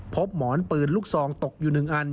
พบหมอนปืนลูกซองตกอยู่๑อัน